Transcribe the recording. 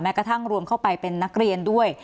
กระทั่งรวมเข้าไปเป็นนักเรียนด้วย